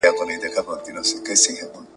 په سرو اوښکو یې د چرګ خواته کتله `